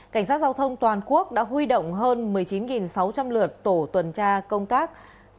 cảnh sát giao thông toàn quốc đã huy động hơn một mươi chín sáu trăm linh lượt tổ tuần tra công tác